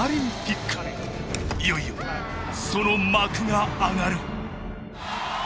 いよいよその幕が上がる！